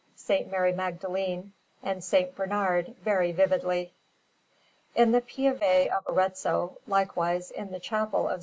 Mary Magdalene, and S. Bernard, very vividly. In the Pieve of Arezzo, likewise, in the Chapel of S.